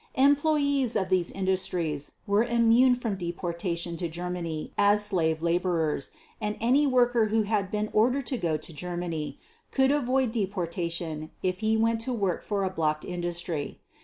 Employees of these industries were immune from deportation to Germany as slave laborers and any worker who had been ordered to go to Germany could avoid deportation if he went to work for a blocked industry.